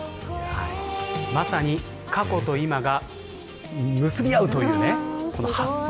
まさに、過去と今が結び合うという発想